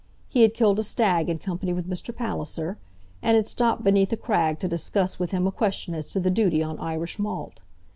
He had killed a stag in company with Mr. Palliser, and had stopped beneath a crag to discuss with him a question as to the duty on Irish malt.